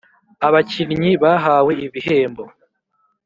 Abakinnyi bahawe ibihembo.